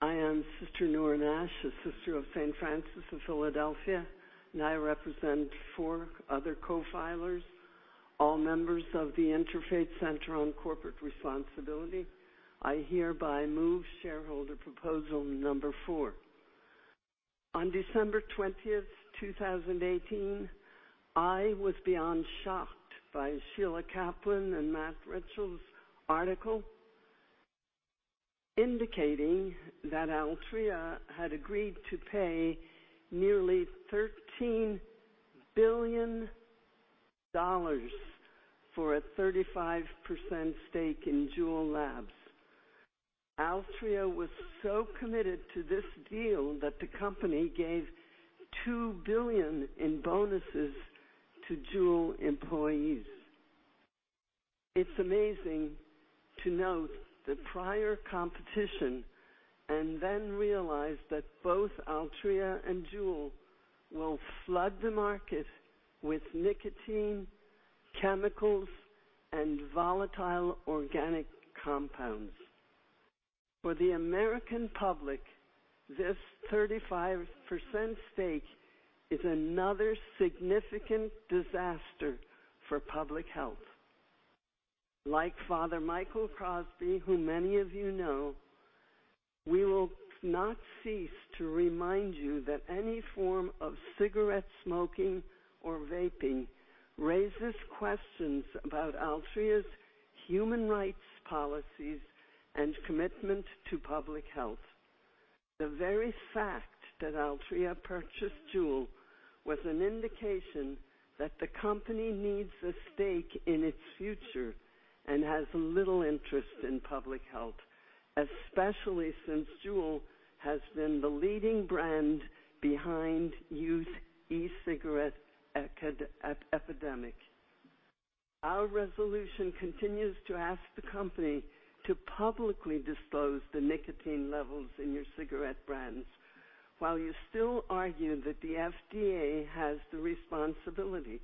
I am Sister Nora Nash, a Sister of St. Francis of Philadelphia, and I represent four other co-filers, all members of the Interfaith Center on Corporate Responsibility. I hereby move shareholder proposal number four. On December 20, 2018, I was beyond shocked by Sheila Kaplan and Matt Richtel's article indicating that Altria had agreed to pay nearly $13 billion for a 35% stake in Juul Labs. Altria was so committed to this deal that the company gave $2 billion in bonuses to JUUL employees. It's amazing to note the prior competition then realize that both Altria and JUUL will flood the market with nicotine, chemicals, and volatile organic compounds. For the American public, this 35% stake is another significant disaster for public health. Like Father Michael Crosby, who many of you know, we will not cease to remind you that any form of cigarette smoking or vaping raises questions about Altria's human rights policies and commitment to public health. The very fact that Altria purchased JUUL was an indication that the company needs a stake in its future and has little interest in public health, especially since JUUL has been the leading brand behind youth e-cigarette epidemic. Our resolution continues to ask the company to publicly disclose the nicotine levels in your cigarette brands while you still argue that the FDA has the responsibility.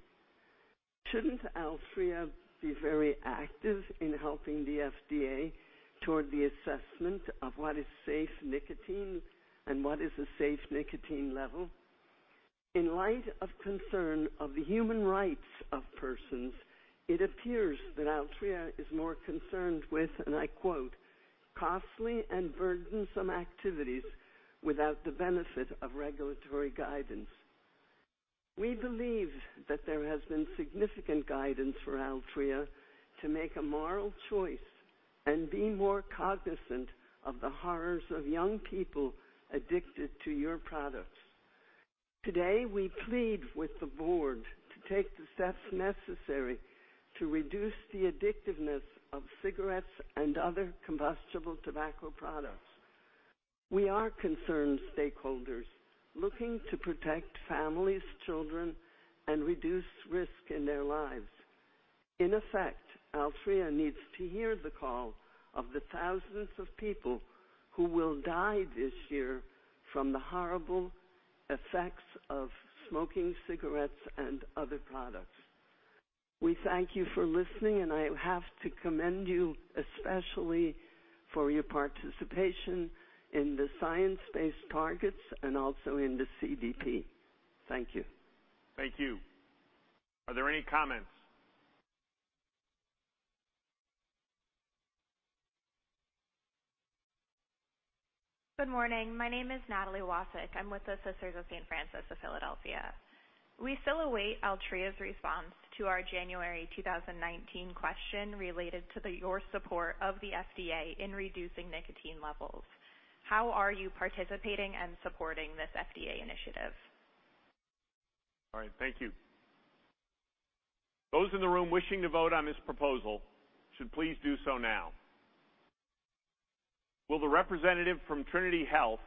Shouldn't Altria be very active in helping the FDA toward the assessment of what is safe nicotine and what is a safe nicotine level? In light of concern of the human rights of persons, it appears that Altria is more concerned with, and I quote, "Costly and burdensome activities without the benefit of regulatory guidance." We believe that there has been significant guidance for Altria to make a moral choice and be more cognizant of the horrors of young people addicted to your products. Today, we plead with the board to take the steps necessary to reduce the addictiveness of cigarettes and other combustible tobacco products. We are concerned stakeholders looking to protect families, children, and reduce risk in their lives. In effect, Altria needs to hear the call of the thousands of people who will die this year from the horrible effects of smoking cigarettes and other products. We thank you for listening, I have to commend you, especially for your participation in the Science Based Targets and also in the CDP. Thank you. Thank you. Are there any comments? Good morning. My name is Natalie Wasik. I'm with the Sisters of St. Francis of Philadelphia. We still await Altria's response to our January 2019 question related to your support of the FDA in reducing nicotine levels. How are you participating in supporting this FDA initiative? All right. Thank you. Those in the room wishing to vote on this proposal should please do so now. Will the representative from Trinity Health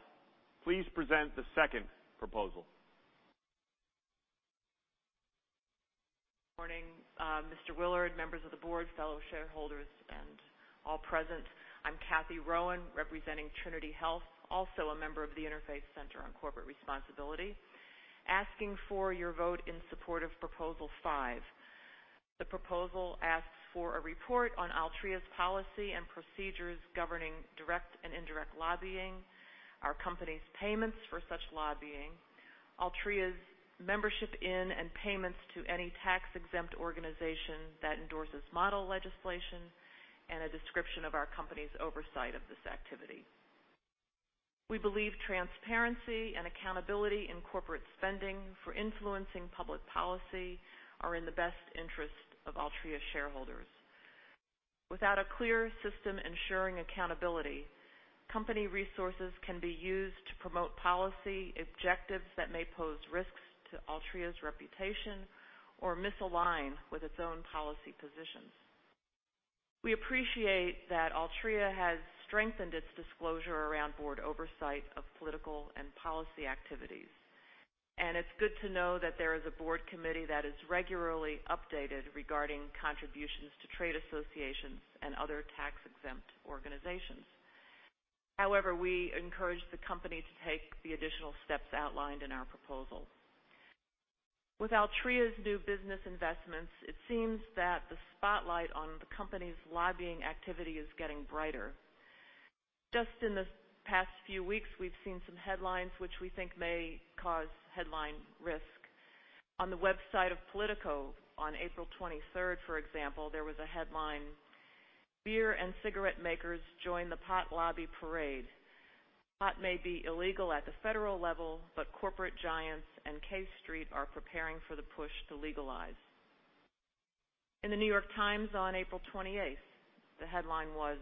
please present the second proposal? morning, Mr. Willard, members of the board, fellow shareholders, and all present. I'm Cathy Rowan, representing Trinity Health, also a member of the Interfaith Center on Corporate Responsibility, asking for your vote in support of proposal five. The proposal asks for a report on Altria's policy and procedures governing direct and indirect lobbying, our company's payments for such lobbying, Altria's membership in and payments to any tax-exempt organization that endorses model legislation, and a description of our company's oversight of this activity. We believe transparency and accountability in corporate spending for influencing public policy are in the best interest of Altria shareholders. Without a clear system ensuring accountability, company resources can be used to promote policy objectives that may pose risks to Altria's reputation or misalign with its own policy positions. We appreciate that Altria has strengthened its disclosure around board oversight of political and policy activities. It's good to know that there is a board committee that is regularly updated regarding contributions to trade associations and other tax-exempt organizations. However, we encourage the company to take the additional steps outlined in our proposal. With Altria's new business investments, it seems that the spotlight on the company's lobbying activity is getting brighter. Just in the past few weeks, we've seen some headlines which we think may cause headline risk. On the website of POLITICO on April 23rd, for example, there was a headline, "Beer and Cigarette Makers Join the Pot Lobby Parade. Pot may be illegal at the federal level. Corporate giants and K Street are preparing for the push to legalize." In The New York Times on April 28th, the headline was,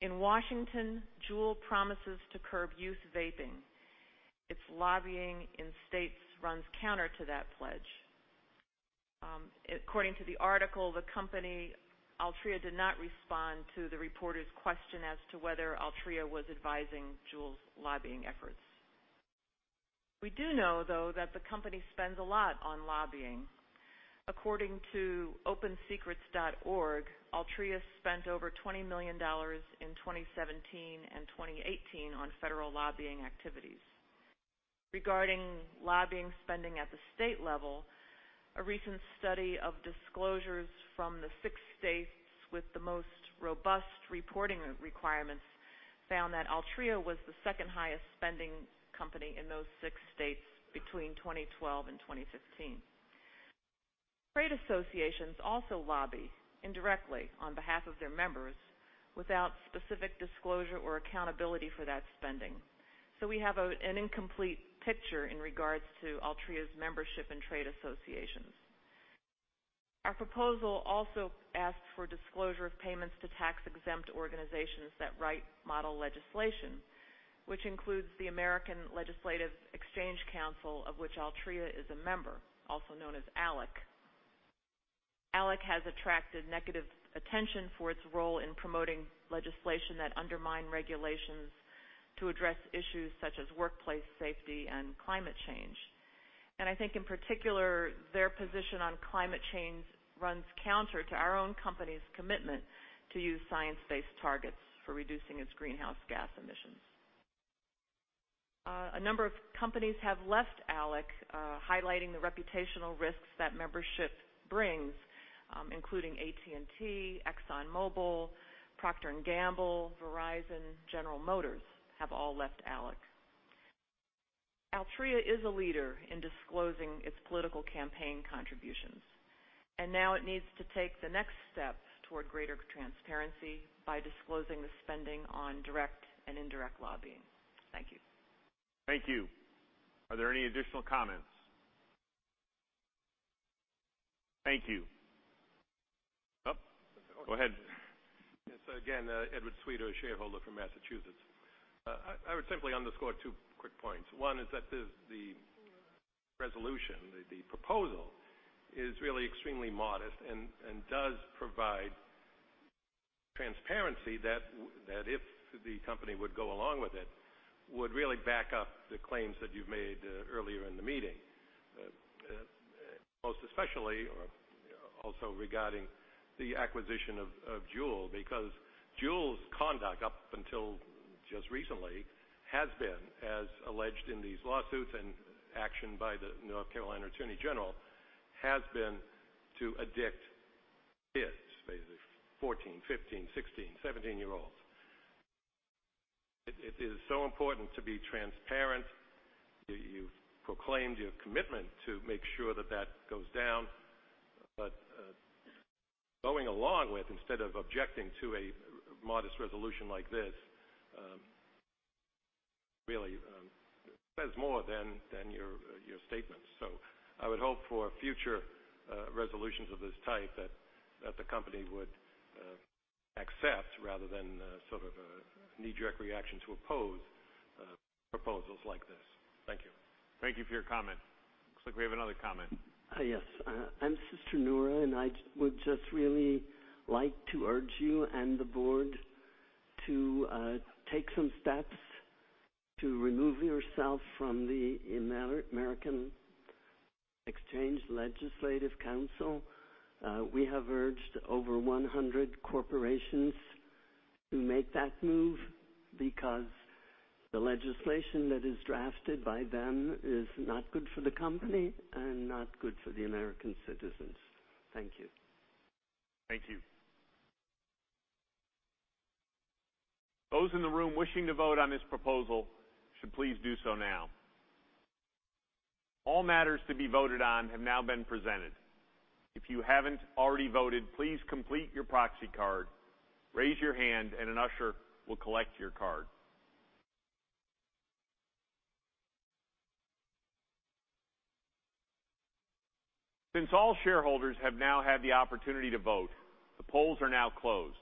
"In Washington, JUUL Promises to Curb Youth Vaping. Its lobbying in states runs counter to that pledge." According to the article, the company, Altria, did not respond to the reporter's question as to whether Altria was advising JUUL's lobbying efforts. We do know, though, that the company spends a lot on lobbying. According to opensecrets.org, Altria spent over $20 million in 2017 and 2018 on federal lobbying activities. Regarding lobbying spending at the state level, a recent study of disclosures from the six states with the most robust reporting requirements found that Altria was the second highest spending company in those six states between 2012 and 2016. Trade associations also lobby indirectly on behalf of their members without specific disclosure or accountability for that spending. We have an incomplete picture in regards to Altria's membership in trade associations. Our proposal also asks for disclosure of payments to tax-exempt organizations that write model legislation, which includes the American Legislative Exchange Council, of which Altria is a member, also known as ALEC. ALEC has attracted negative attention for its role in promoting legislation that undermine regulations to address issues such as workplace safety and climate change. I think in particular, their position on climate change runs counter to our own company's commitment to use science-based targets for reducing its greenhouse gas emissions. A number of companies have left ALEC, highlighting the reputational risks that membership brings, including AT&T, ExxonMobil, Procter & Gamble, Verizon, General Motors have all left ALEC. Altria is a leader in disclosing its political campaign contributions. Now it needs to take the next steps toward greater transparency by disclosing the spending on direct and indirect lobbying. Thank you. Thank you. Are there any additional comments? Thank you. Oh, go ahead. Yes. Again, Edward Sweet, a shareholder from Massachusetts. I would simply underscore two quick points. One is that the resolution, the proposal, is really extremely modest and does provide transparency that if the company would go along with it, would really back up the claims that you've made earlier in the meeting. Most especially, or also regarding the acquisition of JUUL, because JUUL's conduct up until just recently has been, as alleged in these lawsuits and action by the North Carolina Attorney General, has been to addict kids, basically 14, 15, 16, 17-year-olds. It is so important to be transparent. You've proclaimed your commitment to make sure that that goes down. Going along with, instead of objecting to a modest resolution like this, really says more than your statements. I would hope for future resolutions of this type that the company would accept rather than sort of a knee-jerk reaction to oppose proposals like this. Thank you. Thank you for your comment. Looks like we have another comment. Yes. I'm Sister Nora, and I would just really like to urge you and the board to take some steps to remove yourself from the American Legislative Exchange Council. We have urged over 100 corporations to make that move because the legislation that is drafted by them is not good for the company and not good for the American citizens. Thank you. Thank you. Those in the room wishing to vote on this proposal should please do so now. All matters to be voted on have now been presented. If you haven't already voted, please complete your proxy card, raise your hand, and an usher will collect your card. Since all shareholders have now had the opportunity to vote, the polls are now closed.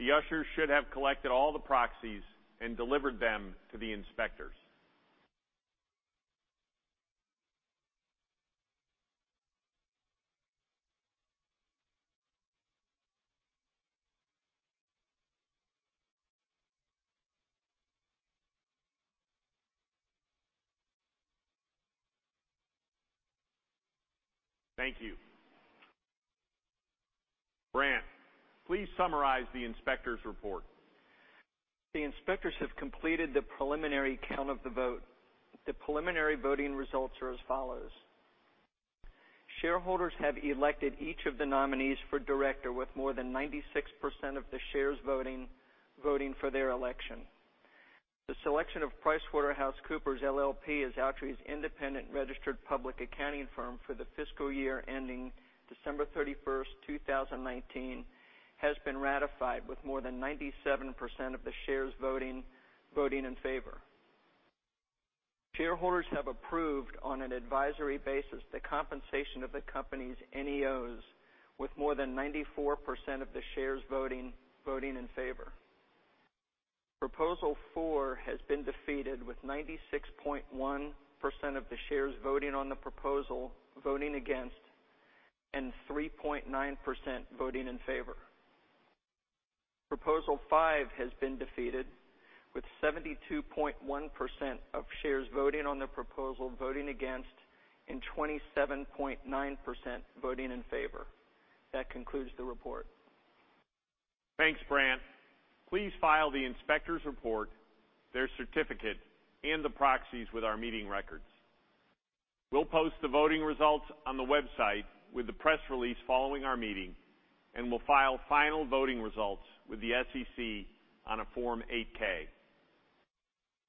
The ushers should have collected all the proxies and delivered them to the inspectors. Thank you. Brant, please summarize the inspector's report. The inspectors have completed the preliminary count of the vote. The preliminary voting results are as follows. Shareholders have elected each of the nominees for director with more than 96% of the shares voting for their election. The selection of PricewaterhouseCoopers LLP as Altria's independent registered public accounting firm for the fiscal year ending December 31st, 2019 has been ratified with more than 97% of the shares voting in favor. Shareholders have approved on an advisory basis the compensation of the company's NEOs with more than 94% of the shares voting in favor. Proposal four has been defeated with 96.1% of the shares voting on the proposal voting against and 3.9% voting in favor. Proposal five has been defeated with 72.1% of shares voting on the proposal voting against and 27.9% voting in favor. That concludes the report. Thanks, Brant. Please file the inspector's report, their certificate, and the proxies with our meeting records. We'll post the voting results on the website with the press release following our meeting, and we'll file final voting results with the SEC on a Form 8-K.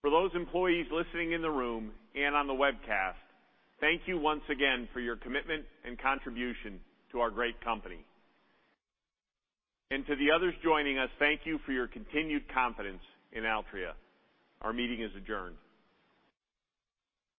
For those employees listening in the room and on the webcast, thank you once again for your commitment and contribution to our great company. To the others joining us, thank you for your continued confidence in Altria. Our meeting is adjourned.